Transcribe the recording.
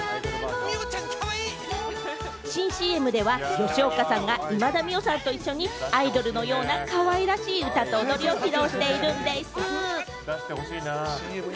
新ＣＭでは吉岡さんが今田美桜さんと一緒にアイドルのような、かわいらしい歌と踊りを披露しているんでぃす。